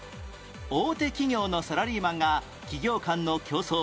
大手企業のサラリーマンが企業間の競争